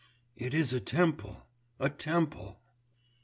It is a temple, a temple!